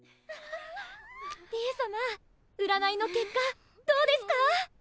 りえ様うらないの結果どうですか？